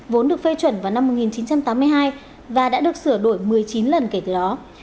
vốn được phê chuẩn vào năm một nghìn chín trăm tám mươi hai và đã được sửa đổi một mươi chín lần kể từ đó